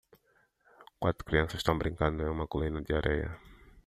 Quatro crianças estão brincando em uma colina de areia.